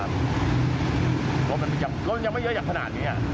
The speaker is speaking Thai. รถมันเป็นอย่างรถยังไม่เยอะแยะขนาดนี้